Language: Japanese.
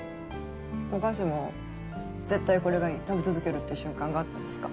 お菓子も「絶対これがいい」「食べ続ける」って瞬間があったんですか？